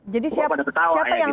jadi siapa yang sadis ya